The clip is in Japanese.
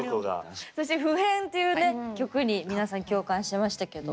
そして「普変」というね曲に皆さん共感していましたけど。